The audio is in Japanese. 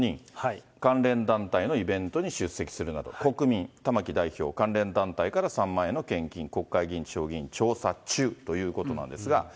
関連団体のイベントに出席するなど、国民、玉木代表、関連団体から３万円の献金、国会議員、地方議員、調査中ということなんですが。